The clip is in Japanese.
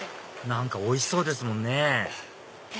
何かおいしそうですもんね